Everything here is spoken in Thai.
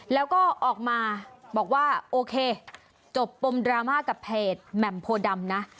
แล้วก็ออกมาบอกว่าโอเคจบปมดราม่ากับเพจแหม่มโพดำนะ